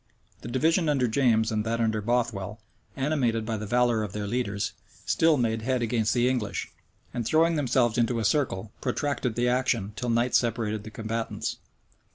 The division under James and that under Bothwell, animated by the valor of their leaders, still made head against the English, and throwing themselves into a circle, protracted the action, till night separated the combatants.